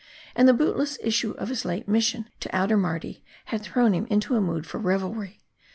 And the bootless issue of his late mission to outer Mardi had thrown him into a mood for revelry.